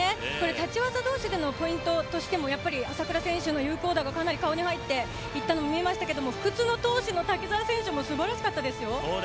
立ち技同士のポイントとしても朝倉選手の有効打がかなり顔に入っていたのも見えましたけども不屈の闘志の瀧澤選手も素晴らしかったですよ。